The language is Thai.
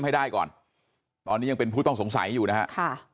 แล้วก็ยัดลงถังสีฟ้าขนาด๒๐๐ลิตร